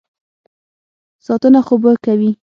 ساتنه خو به کوي.